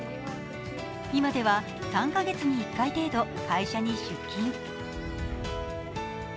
今では３カ月に１回程度会社に出勤。